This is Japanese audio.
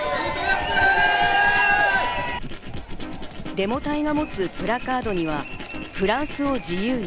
デモ隊が持つプラカードには、「フランスを自由に」